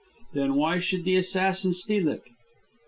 "Then why should the assassin steal it?"